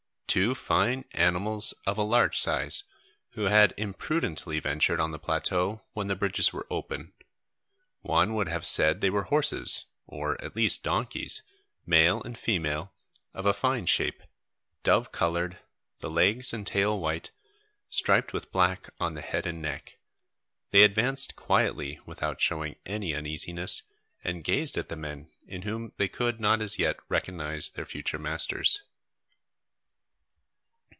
Two fine animals of a large size, who had imprudently ventured on the plateau, when the bridges were open. One would have said they were horses, or at least donkeys, male and female, of a fine shape, dove coloured, the legs and tail white, striped with black on the head and neck. They advanced quietly without showing any uneasiness, and gazed at the men, in whom they could not as yet recognise their future masters.